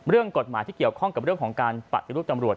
เรื่องกฎหมายที่เกี่ยวข้องกับเรื่องของการปฏิรูปตำรวจ